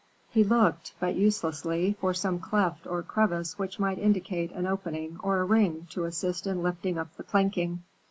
He looked, but uselessly, for some cleft or crevice which might indicate an opening or a ring to assist in lifting up the planking.